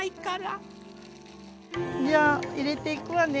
じゃあ入れていくわね。